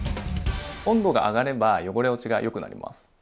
温度が上がれば汚れ落ちがよくなります。